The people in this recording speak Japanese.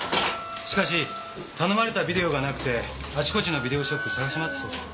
しかし頼まれたビデオがなくてあちこちのビデオショップ探し回ったそうです。